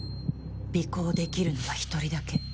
尾行できるのは１人だけ。